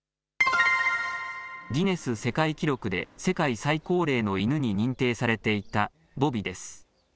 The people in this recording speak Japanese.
ギネス世界記録で世界最高齢の犬に認定されていたボビです。